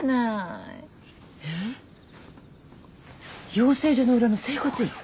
養成所の裏の整骨院？